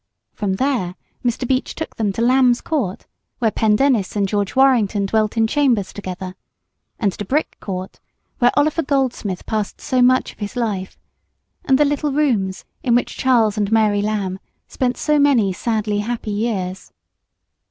From there Mr. Beach took them to Lamb's Court, where Pendennis and George Warrington dwelt in chambers together; and to Brick Court, where Oliver Goldsmith passed so much of his life, and the little rooms in which Charles and Mary Lamb spent so many sadly happy years.